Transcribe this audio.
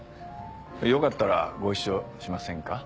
よかったらご一緒しませんか？